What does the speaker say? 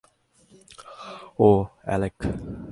ওহ, Alec.